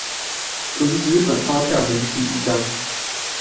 純紙本發票明細一張